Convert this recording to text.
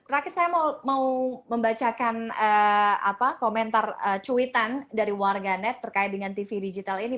rakit saya mau membacakan komentar cuitan dari warga net terkait dengan tv digital ini